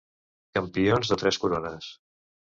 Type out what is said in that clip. Campions de Tres Corones.